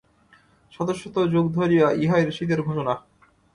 শত শত যুগ ধরিয়া ইহাই ঋষিদের ঘোষণা।